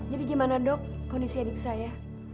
jadi gimana dok kondisi adik saya